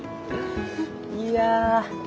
いや。